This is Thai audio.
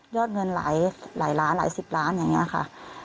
เงินหลายล้านหลายสิบล้านอย่างนี้ค่ะ